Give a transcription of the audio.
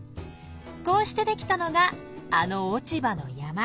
こうしてできたのがあの落ち葉の山。